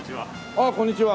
あっこんにちは。